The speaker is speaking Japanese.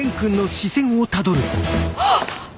あっ！